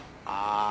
ああ。